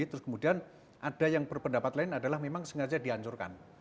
terus kemudian ada yang berpendapat lain adalah memang sengaja dihancurkan